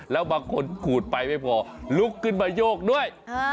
แล้วบางคนขูดไปไม่พอลุกขึ้นมาโยกด้วย